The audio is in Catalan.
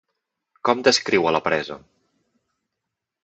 Com descriu a la presa?